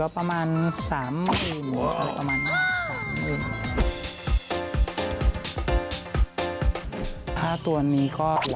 ประมาณ๑๐ปี